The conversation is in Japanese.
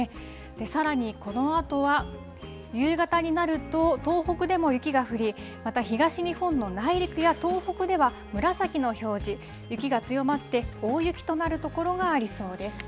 さらにこのあとは、夕方になると東北でも雪が降り、また東日本の内陸や東北では、紫の表示、雪が強まって、大雪となる所がありそうです。